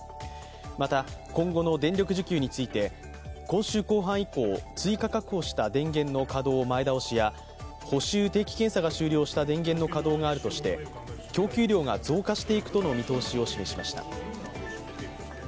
また今後の電力需給について今週後半以降、追加確保した電源の稼働前倒しや補修・定期検査が終了した電源の稼働があるとして供給量が増加していくとの見通しを示しました。